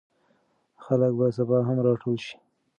خلک به سبا هم راټول شي.